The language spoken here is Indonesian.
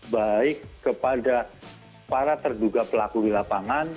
baik kepada para terduga pelaku di lapangan